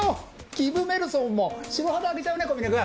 ギブ・メルソンも白旗上げちゃうね小峯君！